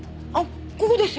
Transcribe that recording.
ここですよ。